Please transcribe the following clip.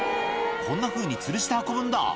こんなふうにつるして運ぶんだ。